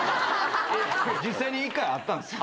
実際に１回あったんすよ。